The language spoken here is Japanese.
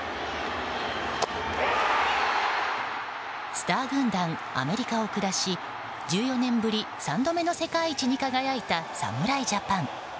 スター軍団アメリカを下し１４年ぶり３度目の世界一に輝いた侍ジャパン。